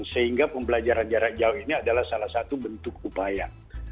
sehingga pembelajaran jarak jauh ini adalah salah satu bentuk upaya